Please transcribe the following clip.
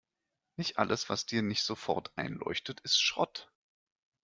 Nicht alles, was dir nicht sofort einleuchtet, ist Schrott.